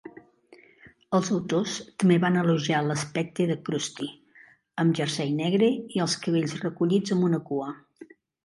Els autors també van elogiar l'aspecte de Krusty, "amb jersei negre i els cabells recollits amb una cua".